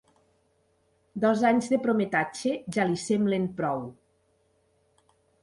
Dos anys de prometatge ja li semblen prou.